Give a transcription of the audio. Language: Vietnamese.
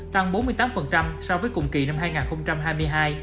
tăng bốn mươi tám so với cùng kỳ năm hai nghìn hai mươi hai